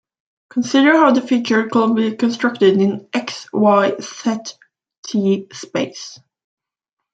Consider how the figure could be constructed in "xyzt"-space.